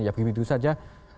ya begitu saja